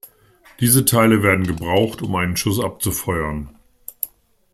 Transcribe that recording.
Diese Teile werden gebraucht, um einen Schuss abzufeuern.